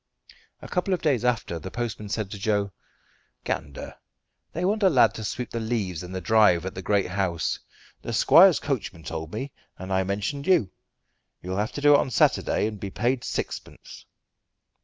A couple of days after the postman said to Joe "Gander, they want a lad to sweep the leaves in the drive at the great house. The squire's coachman told me, and I mentioned you. You'll have to do it on Saturday, and be paid sixpence."